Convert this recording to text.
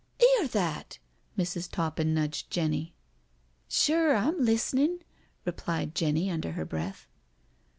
" 'Ear that?" Mrs. Toppin nudged Jenny. " Sure, I'm listening," replied Jenny, under her breath.